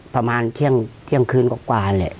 ประมาณเที่ยงคืนกว่าเนี่ย